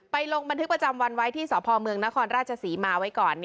ลงบันทึกประจำวันไว้ที่สพเมืองนครราชศรีมาไว้ก่อน